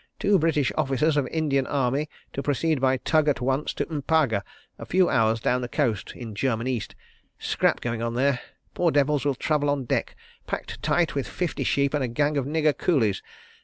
Two British officers of Indian Army to proceed by tug at once to M'paga, a few hours down the coast, in German East. Scrap going on there. Poor devils will travel on deck, packed tight with fifty sheep and a gang of nigger coolies. .